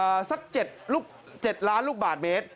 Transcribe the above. สักเจ็ดลูกเจ็ดล้านลูกบาทเมตร